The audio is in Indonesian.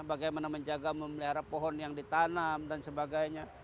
bagaimana menjaga memelihara pohon yang ditanam dan sebagainya